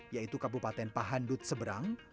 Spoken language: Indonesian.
yaitu kabupaten pahandut seberang